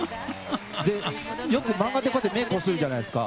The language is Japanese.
で、よく漫画とかで目こするじゃないですか。